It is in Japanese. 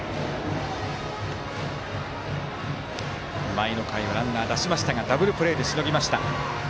前の回はランナー出しましたがダブルプレーでしのぎました。